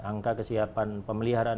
angka kesiapan pemeliharaan